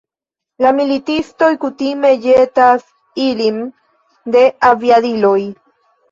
La militistoj kutime ĵetas ilin de aviadiloj.